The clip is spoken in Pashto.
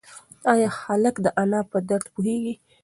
ایا هلک د انا په درد پوهېږي؟